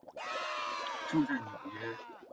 住在纽约。